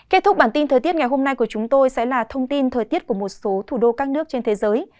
kết thúc bản tin thời tiết ngày hôm nay của chúng tôi sẽ là thông tin thời tiết của một số thủ đô các nước trên thế giới